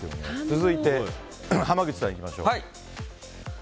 続いて、濱口さんいきましょう。